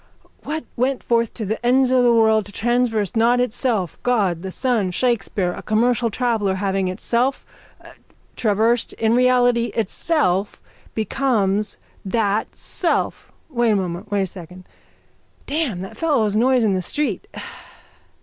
_ What went forth to the ends of the world to traverse not itself, God, the sun, Shakespeare, a commercial traveller, having itself traversed in reality itself becomes that self. Wait a moment. Wait a second. Damn that fellow's noise in the street.